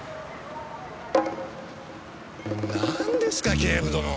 なんですか警部殿。